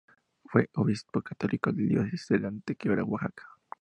Fue obispo católico de la Diócesis de Antequera, Oaxaca.